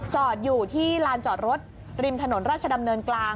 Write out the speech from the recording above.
จอดอยู่ที่ลานจอดรถริมถนนราชดำเนินกลาง